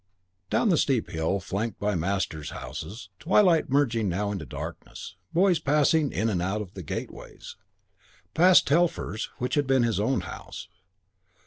IV Down the steep hill flanked by masters' houses. Twilight merging now into darkness. Boys passing in and out of the gateways. Past Telfer's which had been his own house.